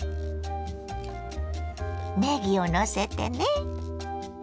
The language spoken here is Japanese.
ねぎをのせてね。